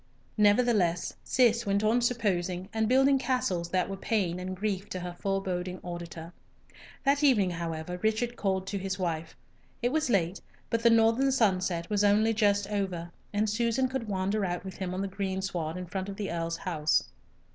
Nevertheless, Cis went on supposing and building castles that were pain and grief to her foreboding auditor. That evening, however, Richard called his wife. It was late, but the northern sunset was only just over, and Susan could wander out with him on the greensward in front of the Earl's house.